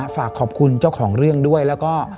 ฝากขอบคุณเจ้าของเรื่องด้วยแล้วก็